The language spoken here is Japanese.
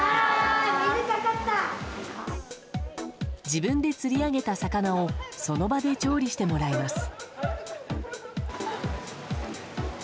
自分で釣り上げた魚をその場で調理してもらいます。